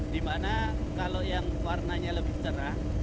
dimana kalau yang warnanya lebih cerah